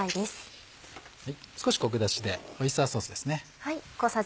少しコク出しでオイスターソースですね。